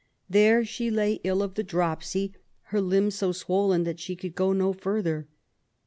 There she lay ill of the dropsy, her limbs so swollen that she could go no further.